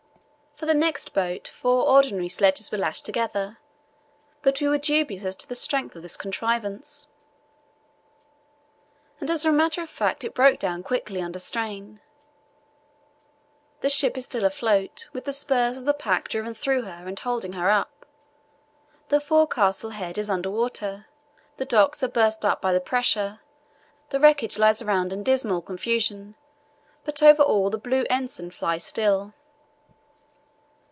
For the next boat four ordinary sledges were lashed together, but we were dubious as to the strength of this contrivance, and as a matter of fact it broke down quickly under strain.... The ship is still afloat, with the spurs of the pack driven through her and holding her up. The forecastle head is under water, the decks are burst up by the pressure, the wreckage lies around in dismal confusion, but over all the blue ensign flies still.